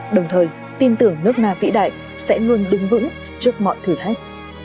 đồng thời tin tưởng nước nga vĩ đại sẽ luôn đứng vững trước mọi thử thách